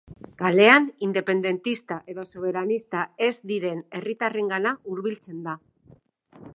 Kalean independentista edo soberanista ez diren herritarrengana hurbiltzen da.